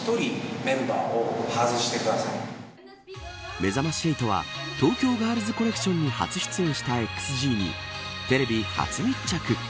めざまし８は東京ガールズコレクションに初出演したＸＧにテレビ初密着。